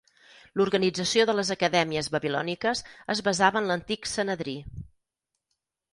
L'organització de les acadèmies babilòniques es basava en l'antic Sanedrí.